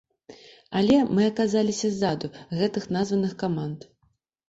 Але мы аказаліся ззаду гэтых названых каманд.